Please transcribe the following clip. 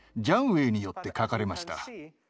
ウェイによって描かれました。